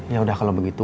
yaudah kalau begitu